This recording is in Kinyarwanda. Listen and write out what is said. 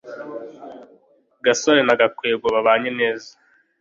gasore na gakwego babanye neza